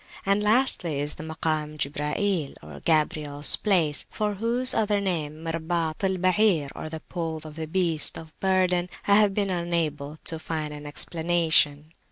And lastly is the Makam Jibrail (Gabriel's place), for whose other name, Mirbaat al Bair, "the Pole of the Beast of Burden," I have been unable to find an explanation.